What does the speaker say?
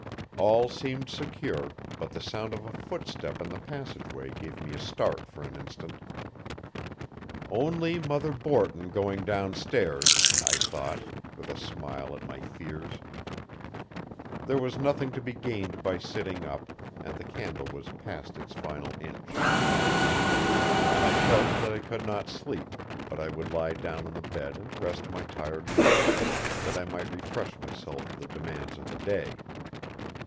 All seemed secure, but the sound of a footstep in the passageway gave me a start for an instant. "Only Mother Borton going down stairs," I thought, with a smile at my fears. There was nothing to be gained by sitting up, and the candle was past its final inch. I felt that I could not sleep, but I would lie down on the bed and rest my tired limbs, that I might refresh myself for the demands of the day.